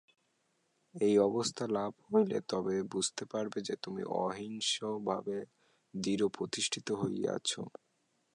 এই অবস্থা লাভ হইলে তবে বুঝিতে পারিবে যে, তুমি অহিংসভাবে দৃঢ়প্রতিষ্ঠিত হইয়াছ।